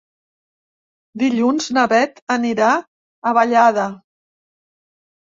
Dilluns na Beth anirà a Vallada.